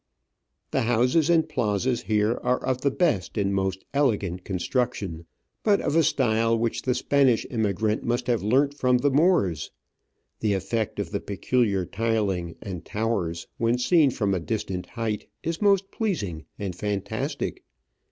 The houses and plazas here are of the best and most elegant con struction, but of a style which the Spanish emigrant must have learnt from the Moors. The effect of the peculiar tiling and towers when seen from a distant height is most pleasing and fantastic.